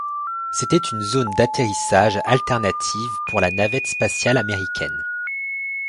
C'était une zone d'atterrissage alternative pour la Navette spatiale américaine.